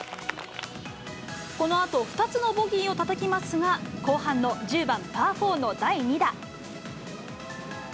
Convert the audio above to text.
このあと２つのボギーをたたきますが、後半の１０番パーフォーの第２打。